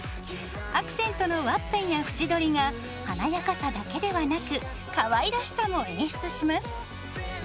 アクセントのワッペンや縁取りが華やかさだけではなくかわいらしさも演出します。